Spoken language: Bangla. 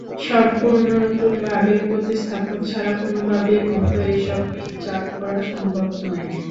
সম্পূর্ণ নতুনভাবে প্রতিস্থাপন ছাড়া কোনোভাবেই বন্ধ এসব মিল চালু করা সম্ভব নয়।